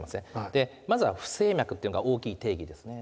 でまずは不整脈っていうのが大きい定義ですね。